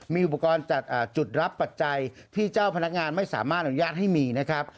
มีอุปกรณ์จัดจุดรับปัจจัยที่เจ้าพนักงานไม่สามารถอนุญาตให้มีนะครับ